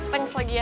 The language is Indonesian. thanks lagi ya